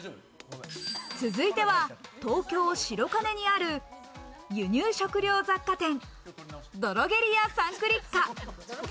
続いては東京・白金にある輸入食料雑貨店、ドロゲリアサンクリッカ。